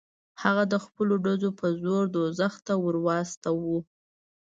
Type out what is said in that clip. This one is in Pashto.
هغه د خپلو ډزو په زور دوزخ ته ور واستاوه.